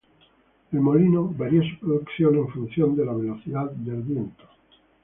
El molino varía su producción en función de la velocidad del viento.